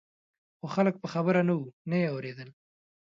خو خلک په خبره نه وو نه یې اورېدل.